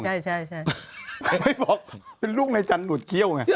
ไม่บอกเป็นลูกในจันทร์หนุดเขี้ยว